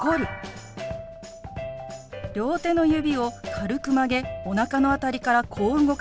両手の指を軽く曲げおなかの辺りからこう動かします。